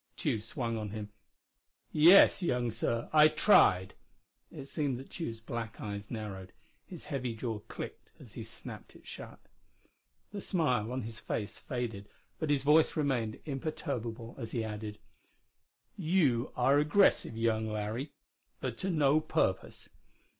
Tugh swung on him. "Yes, young sir, I tried." It seemed that Tugh's black eyes narrowed; his heavy jaw clicked as he snapped it shut. The smile on his face faded, but his voice remained imperturbable as he added: "You are aggressive, young Larry but to no purpose....